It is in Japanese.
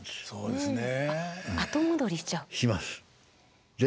そうです。